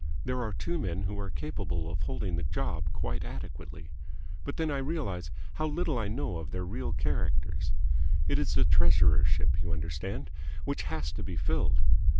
There are two men who are capable of holding the job quite adequately. But then I realize how little I know of their real characters. It is the treasurership, you understand, which has to be filled.